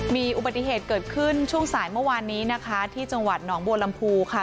มีอุบัติเหตุเกิดขึ้นช่วงสายเมื่อวานนี้นะคะที่จังหวัดหนองบัวลำพูค่ะ